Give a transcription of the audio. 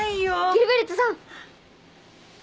ギルベルトさん！